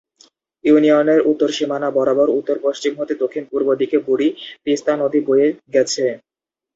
ইউনিয়নের উত্তর সীমানা বরাবর উত্তর পশ্চিম হতে দক্ষিণ পূর্ব দিকে বুড়ি তিস্তা নদী বয়ে গেছে।